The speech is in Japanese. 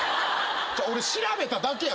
俺調べただけや。